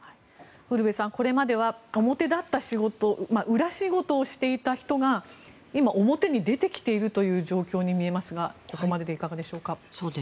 ウルヴェさん、これまでは裏仕事をしていた人が表に出てきているという状況に見えますがここまででいかがでしょうか。